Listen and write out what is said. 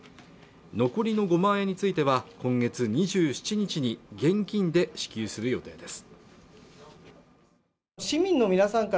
残りの５万円については今月２７日に現金で支給する予定です